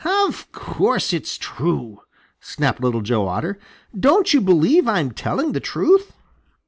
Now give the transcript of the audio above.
"Of course it's true!" snapped Little Joe Otter. "Don't you believe I'm telling the truth?"